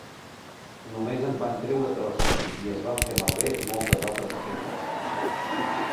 Només en van treure trossos i es van fer malbé moltes altres peces.